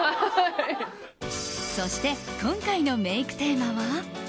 そして今回のメイクテーマは。